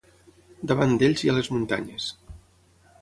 Davant d’ells hi ha les muntanyes.